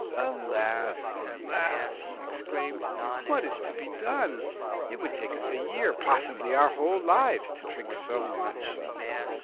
'Alas, alas!' he exclaimed; 'what is to be done? It would take us a year, possibly our whole lives, to drink so much.